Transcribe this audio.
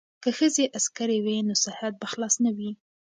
که ښځې عسکرې وي نو سرحد به خلاص نه وي.